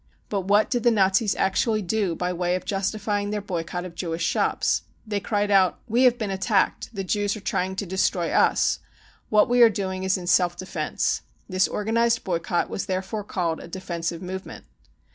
Butwhat did the Na^s actually do by way of justifying their boycott of Jewish shops ? They cried out £C We have been attacked. The Jews are trying to destroy us. What we are doing is in self defence." This organised boycott was therefore called a defensive movement.